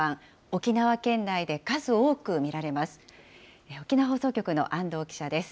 沖縄県内で数多く見られます。